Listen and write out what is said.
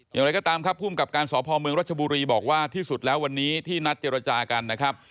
อย่างไรก็ตามครับภูมิกับการสพเมืองรัชบุรีบอกว่าที่สุดแล้ววันนี้ที่นัดเจรจากันนะครับ